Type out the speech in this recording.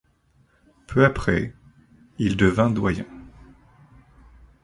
Peu après, il devint doyen.